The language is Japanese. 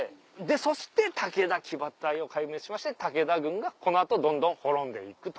そして武田騎馬隊を壊滅しまして武田軍がこの後どんどん滅んで行くと。